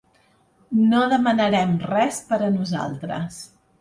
No demanarem res per a nosaltres.